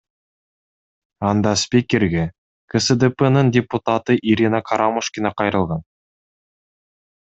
Анда спикерге КСДПнын депутаты Ирина Карамушкина кайрылган.